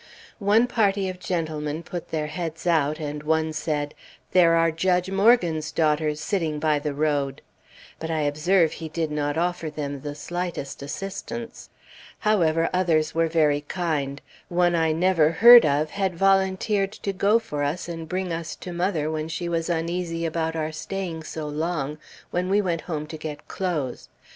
One party of gentlemen put their heads out and one said, "There are Judge Morgan's daughters sitting by the road!" but I observed he did not offer them the slightest assistance. However, others were very kind. One I never heard of had volunteered to go for us, and bring us to mother, when she was uneasy about our staying so long, when we went home to get clothes.